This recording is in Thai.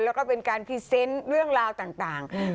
แล้วก็เป็นการพีเซ็นต์เรื่องราวต่างต่างอืม